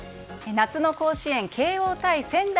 夏の甲子園慶應対仙台